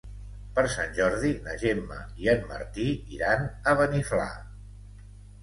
Per Sant Jordi na Gemma i en Martí iran a Beniflà.